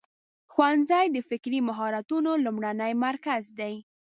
ښوونځی د فکري مهارتونو لومړنی مرکز دی.